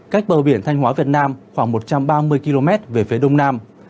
cách bờ biển thanh hóa việt nam khoảng một trăm ba mươi km về phía đông nam